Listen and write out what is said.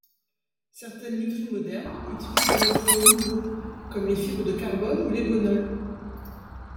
Certaines lutheries modernes utilisent des matériaux nouveaux comme les fibres de carbone ou l'ébonol.